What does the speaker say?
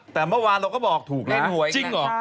แต่เมื่อวานเราก็บอกถูกเล่นหวยค่ะ